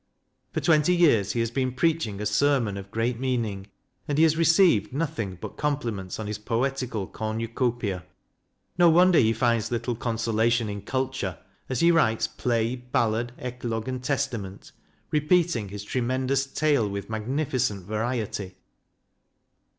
For twenty years he has been preaching a sermon of great meaning, and he has received nothing but com pliments on his poetical " cornucopia." No wonder he finds little consolation in culture, as he writes Play, Ballad, Eclogue, and Testament, repeating his tremen dous tale with magnificent variety.